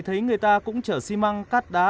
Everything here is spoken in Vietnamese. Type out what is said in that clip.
thấy người ta cũng chở xi măng cắt đá